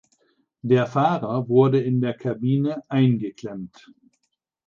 Der Fahrer wurde in der Kabine eingeklemmt.